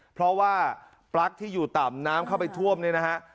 เพราะว่าปลั๊กที่อยู่ต่ำน้ำเข้าไปท่วมเนี่ยนะฮะ